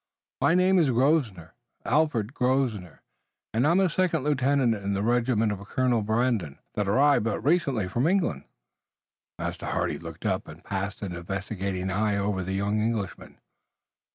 My name is Grosvenor, Alfred Grosvenor, and I'm a second lieutenant in the regiment of Colonel Brandon, that arrived but recently from England." Master Hardy looked up and passed an investigating eye over the young Englishman.